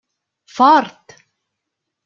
Fort.